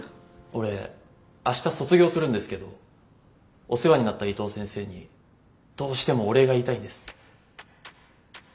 俺明日卒業するんですけどお世話になった伊藤先生にどうしてもお礼が言いたいんです。